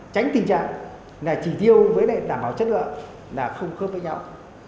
tránh tình trạng là chỉ tiêu với đảm bảo chất lượng là không khớp với nhau